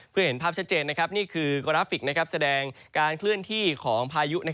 เพื่อเห็นภาพชัดเจนนี่คือกราฟิกแสดงการเคลื่อนที่ของพายุ